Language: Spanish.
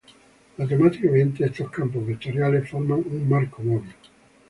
Matemáticamente estos campos vectoriales forman un marco móvil.